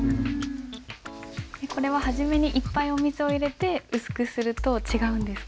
これは初めにいっぱいお水を入れて薄くすると違うんですか？